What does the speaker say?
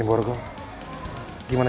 itu oke ya rupanya